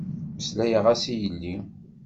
Meslayeɣ-as i yelli.